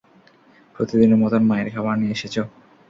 প্রতিদিনের মতন মায়ের খাবার নিয়ে এসেছ!